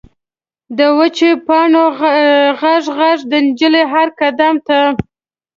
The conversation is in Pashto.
د وچو پاڼو غژ، غژ، د نجلۍ هر قدم ته